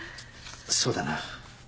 そうだな。